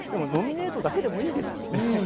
ノミネートだけでもいいです。